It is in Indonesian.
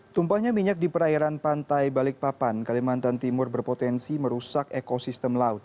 tumpahnya minyak di perairan pantai balikpapan kalimantan timur berpotensi merusak ekosistem laut